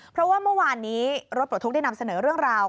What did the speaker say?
เพราะว่าเมื่อวานนี้รถปลดทุกข์ได้นำเสนอเรื่องราว